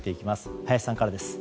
林さんからです。